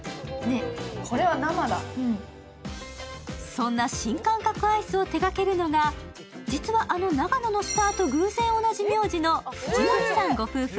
そんな新感覚アイスを手がけるのが、実は、あの長野のスターと偶然同じ名字の藤森さんご夫婦。